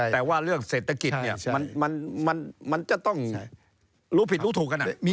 แต่ว่าเรื่องเศรษฐกิจเนี่ยมันจะต้องรู้ผิดรู้ถูกกัน